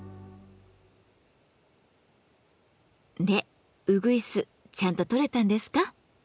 でうぐいすちゃんと撮れたんですか？